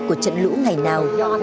của trận lũ ngày nào